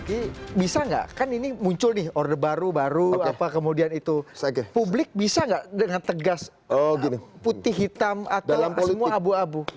kami akan segera kembali saat itu